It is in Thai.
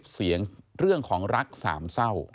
เสียงเรื่องของรักสามเศร้า